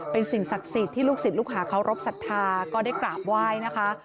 เป็นสิ่งศักดิ์สิทธิ์ที่ลูกศิษย์ลูกหาเขารบศรัทธาก็ได้กราบไหว้นะคะ